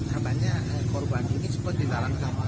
namanya korban ini sempat di dalam kamar